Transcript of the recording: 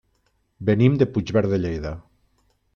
Venim de Puigverd de Lleida.